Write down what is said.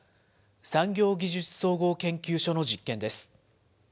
産業技術総合研究所の実験です。